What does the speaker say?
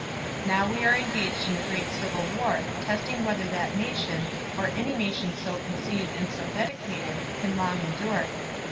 "Now we are engaged in a great civil war, testing whether that nation, or any nation so conceived and so dedicated, can long endure.